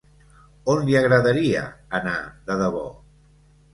On li agradaria anar de debò?